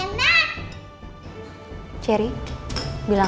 nih buat kamu